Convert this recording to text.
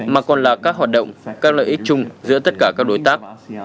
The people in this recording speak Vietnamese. mà còn là các hoạt động các lợi ích chung giữa tất cả các đối tác